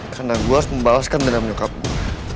karena gue harus membalaskan dendam nyokap gue